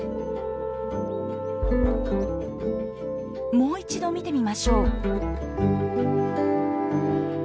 もう一度見てみましょう。